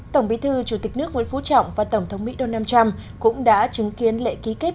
tổng bí thư chủ tịch nước nguyễn phú trọng và tổng thống mỹ donald trump cũng đã chứng kiến lễ ký kết